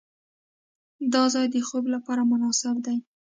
دا ځای د خوب لپاره مناسب دی.